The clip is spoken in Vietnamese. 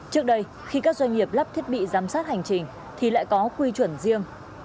trước đây khi các doanh nghiệp lắp thiết bị giám sát hành trình thì lại có quy chuẩn riêng